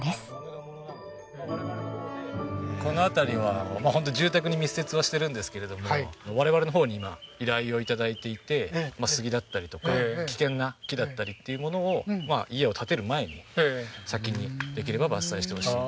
この辺りはホントに住宅に密接はしているんですけれども我々の方に今依頼を頂いていて杉だったりとか危険な木だったりっていうものをまあ家を建てる前に先にできれば伐採してほしい。